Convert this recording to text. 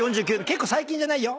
結構最近じゃないよ。